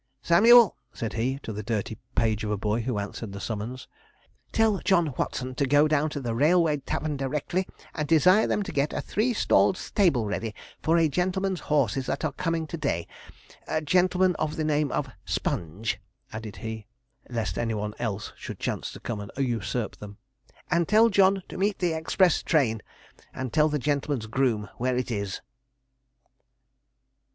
'Samuel,' said he, to the dirty page of a boy who answered the summons, 'tell John Watson to go down to the Railway Tavern directly, and desire them to get a three stalled stable ready for a gentleman's horses that are coming to day a gentleman of the name of Sponge,' added he, lest any one else should chance to come and usurp them 'and tell John to meet the express train, and tell the gentleman's groom where it is.'